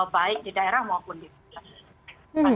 baik di daerah maupun di daerah